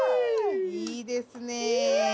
いいですね